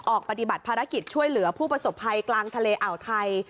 ปฏิบัติภารกิจช่วยเหลือผู้ประสบภัยกลางทะเลอ่าวไทย